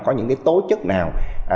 có những tố chất nào